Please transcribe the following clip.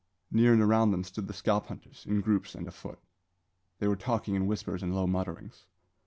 Near and around them stood the scalp hunters, in groups and afoot. They were talking in whispers and low mutterings.